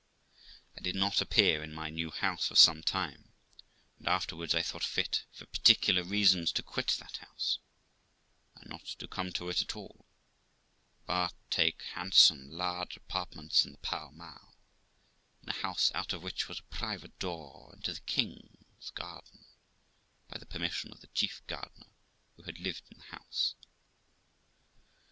I did not appear in my new house for some time, and afterwards I thought fit, for particular reasons, to quit that house, and not to come to it at all, but take handsome large apartments in the Pall Mall, in a house out of which was a private door into the king's garden, by the permission of the chief gardener, who had lived in the house.